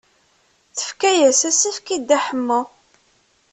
Tefka-as asefk i Dda Ḥemmu.